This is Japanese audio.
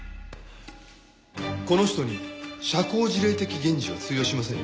この人に社交辞令的言辞は通用しませんよ。